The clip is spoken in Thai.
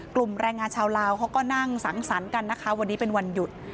แรงงานชาวลาวเขาก็นั่งสังสรรค์กันนะคะวันนี้เป็นวันหยุด